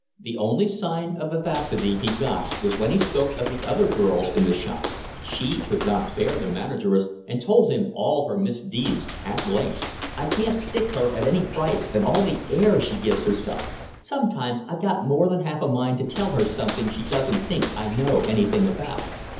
The only sign of vivacity he got was when he spoke of the other girls in the shop; she could not bear the manageress and told him all her misdeeds at length. "I can't stick her at any price and all the air she gives herself. Sometimes I've got more than half a mind to tell her something she doesn't think I know anything about."